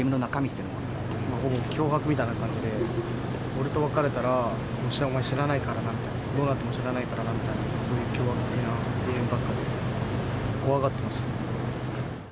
ほぼ脅迫みたいな感じで、俺と別れたら、知らないからなみたいな、どうなっても知らないからなみたいな、そういう脅迫的なメールばっかりで、怖がってましたね。